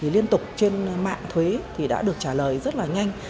liên tục trên mạng thuế thì đã được trả lời rất là nhanh